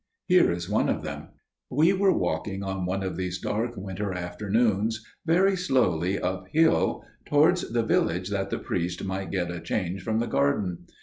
Here is one of them. We were walking on one of these dark winter afternoons very slowly uphill towards the village that the priest might get a change from the garden.